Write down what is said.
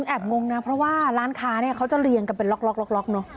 แอบงงนะเพราะว่าร้านค้าเนี่ยเขาจะเรียงกันเป็นล็อกเนอะ